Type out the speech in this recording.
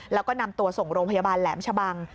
แล้วก็นำตัวส่งโรงพยาบาลแหลมชะบัง